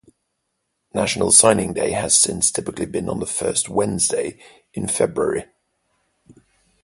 National Signing Day has since typically been on the first Wednesday in February.